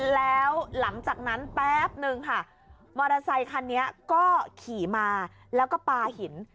แล้วหลังจากนั้นแป๊บนึงค่ะมอเตอร์ไซคันนี้ก็ขี่มาแล้วก็ปลาหิน